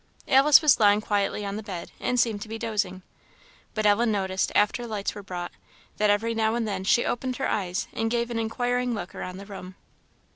Alice was lying quietly on the bed, and seemed to be dozing; but Ellen noticed, after lights were brought, that every now and then she opened her eyes and gave an inquiring look round the room.